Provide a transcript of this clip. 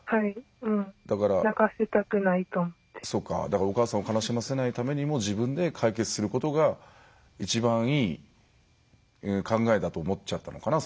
だからお母さんを悲しませないためにも自分で解決することが一番いい考えだと思っちゃったのかな？